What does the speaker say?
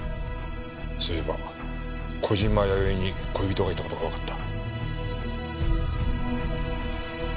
そういえば小島弥生に恋人がいた事がわかった。